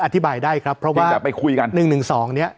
อธิบายได้ครับเพราะว่าไปคุยกันหนึ่งหนึ่งสองเนี้ย